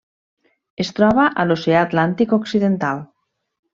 Es troba a l'Oceà Atlàntic Occidental: